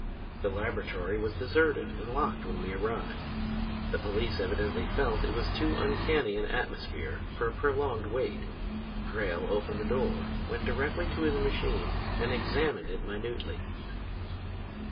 The laboratory was deserted and locked when we arrived. The police evidently felt it was too uncanny an atmosphere for a prolonged wait. Drayle opened the door, went directly to his machine, and examined it minutely.